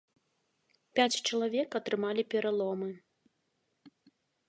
Пяць чалавек атрымалі пераломы.